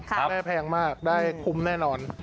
แม่แพงมากได้คุ้มแน่นอน